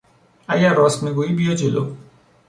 اگر راست میگویی بیا جلو!